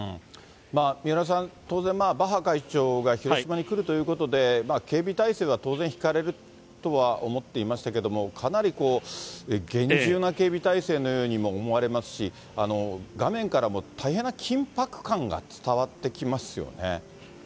三浦さん、当然、バッハ会長が広島に来るということで、警備体制が当然ひかれるとは思っていましたけれども、かなりこう、厳重な警備態勢のようにも思われますし、画面からも大変な緊迫感が伝わってきますよね。